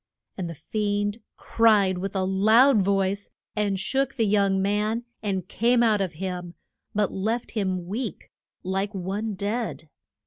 And the fiend cried with a loud voice, and shook the young man, and came out of him, but left him weak, like one dead.